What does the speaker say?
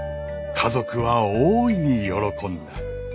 家族は大いに喜んだ。